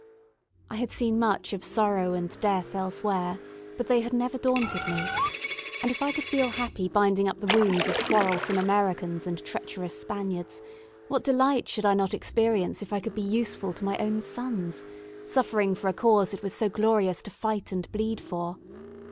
I had seen much of sorrow and death elsewhere, but they had never daunted me; and if I could feel happy binding up the wounds of quarrelsome Americans and treacherous Spaniards, what delight should I not experience if I could be useful to my own "sons," suffering for a cause it was so glorious to fight and bleed for!